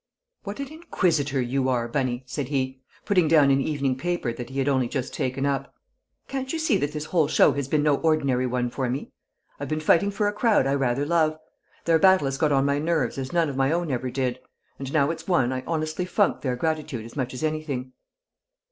"What an inquisitor you are, Bunny!" said he, putting down an evening paper that he had only just taken up. "Can't you see that this whole show has been no ordinary one for me? I've been fighting for a crowd I rather love. Their battle has got on my nerves as none of my own ever did; and now it's won I honestly funk their gratitude as much as anything."